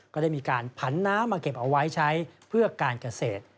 ก็ได้มีการผันน้ำมาเก็บเอาไว้ใช้เพื่อการเกษตร